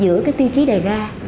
giữa cái tiêu chí đề ra